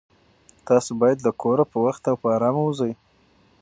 تاسو باید له کوره په وخت او په ارامه ووځئ.